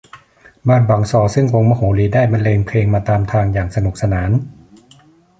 บ้านบางซอซึ่งวงมโหรีได้บรรเลงเพลงมาตามทางอย่างสนุกสนาน